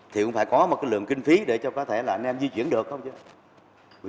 thì cũng phải có một lượng kinh phí để cho có thể là anh em di chuyển được không chứ